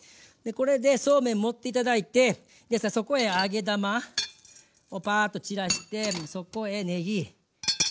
これでそうめん盛って頂いてそこへ揚げ玉をパーっと散らしてそこへねぎ。